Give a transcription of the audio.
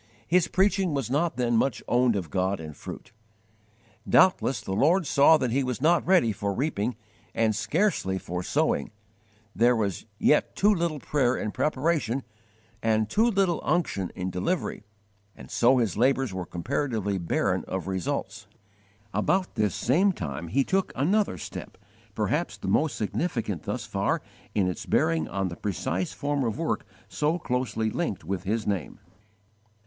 His preaching was not then much owned of God in fruit. Doubtless the Lord saw that he was not ready for reaping, and scarcely for sowing: there was yet too little prayer in preparation and too little unction in delivery, and so his labours were comparatively barren of results. About this same time he took another step perhaps the most significant thus far in its bearing on the precise form of work so closely linked with his name.